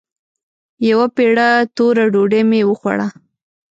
يوه پېړه توره ډوډۍ مې وخوړه.